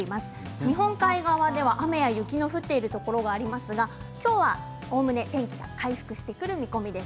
日本海側では雨や雪の降っているところがありますが、今日はおおむね天気が回復してくる見込みです。